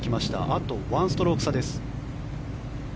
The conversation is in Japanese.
あと１ストローク差です。